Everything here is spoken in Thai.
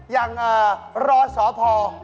อย่างรอชอพอ